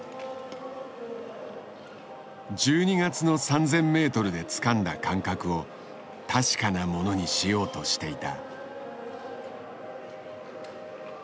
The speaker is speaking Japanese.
１２月の３０００ｍでつかんだ感覚を確かなものにしようとしていた。